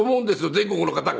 全国の方が。